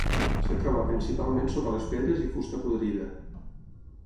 Es troba principalment sota les pedres i fusta podrida.